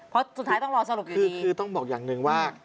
เพราะสุดท้ายต้องรอสรุปคือต้องบอกอย่างหนึ่งว่า